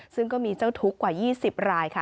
ซึ่งก็มีเจ้าทุกข์กว่า๒๐รายค่ะ